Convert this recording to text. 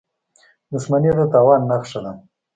• دښمني د تاوان نښه ده.